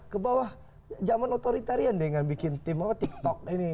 ke bawah zaman otoritarian dengan bikin tim apa tiktok ini